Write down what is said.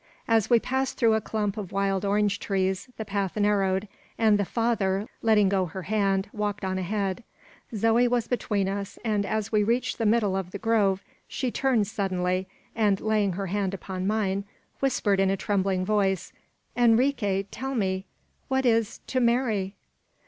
As we passed through a clump of wild orange trees, the path narrowed; and the father, letting go her hand, walked on ahead. Zoe was between us; and as we reached the middle of the grove, she turned suddenly, and laying her hand upon mine, whispered in a trembling voice, "Enrique, tell me, what is `to marry'?"